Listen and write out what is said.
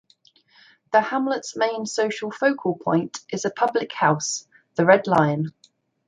The hamlet's main social focal point is a public house, "The Red Lion".